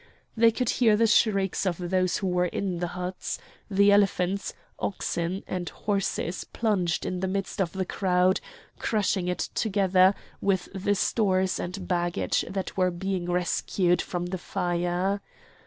They could hear the shrieks of those who were in the huts; the elephants, oxen, and horses plunged in the midst of the crowd crushing it together with the stores and baggage that were being rescued from the fire.